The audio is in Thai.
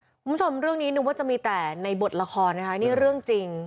คุณผู้ชมเรื่องนี้นึกว่าจะมีแต่ในบทละครนะคะนี่เรื่องจริง